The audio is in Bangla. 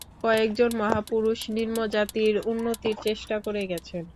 কয়েকজন মহাপুরুষ নিম্নজাতির উন্নতির চেষ্টা করে গেছেন।